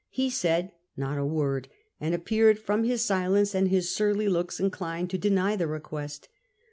He said not a word, and appeared from his silence and his surly looks inclined to deny the request.